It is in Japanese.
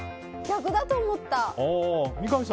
逆だと思った。